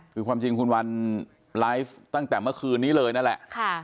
คือความจริงคุณวันไลฟ์ตั้งแต่เมื่อคืนนี้เลยนั่นแหละ